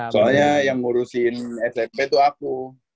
soalnya yang ngurusin smp itu aku